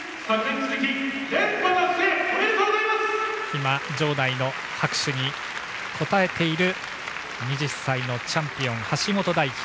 今、場内の拍手に応えている２０歳のチャンピオン橋本大輝。